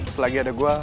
selagi ada gua